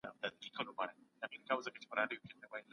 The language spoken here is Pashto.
بډایه سړي وویل چي ټولنیز عادتونه ډیر مهم دي.